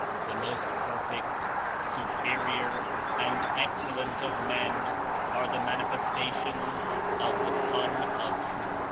The most perfect, superior and excellent of men are the Manifestations of the Sun 85 of Truth."